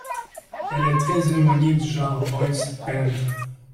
Elle est très éloignée du genre Boys band.